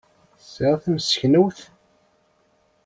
Tesɛiḍ timseknewt?